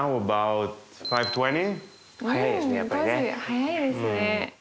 早いですね。